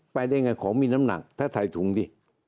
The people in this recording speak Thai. ไปได้ไงของมีน้ำหนักถ้าถ่ายถุงดิ